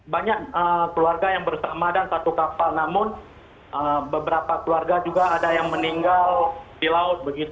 banyak keluarga yang bersama dan satu kapal namun beberapa keluarga juga ada yang meninggal di laut